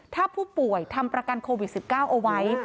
ถ้าผู้ป่วยทำประกันโควิด๑๙เอาไว้